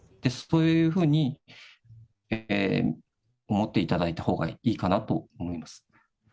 そういうふうに思っていただいたほうがいいかなと思います。